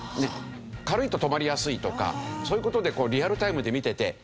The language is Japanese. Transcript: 軽いと止まりやすいとかそういう事でリアルタイムで見てて。